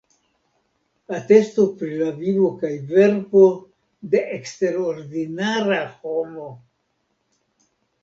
Atesto pri la vivo kaj verko de eksterordinara homo".